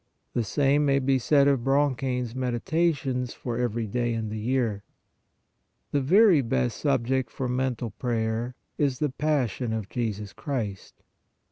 The same may be said of Bronchain s Meditations for every day in the year. The very best subject for mental prayer is the Passion of Jesus Christ. St.